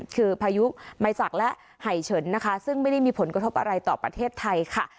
คือพายุไมสักและไห่เฉินนะคะซึ่งไม่ได้มีผลกระทบอะไรต่อประเทศไทยค่ะ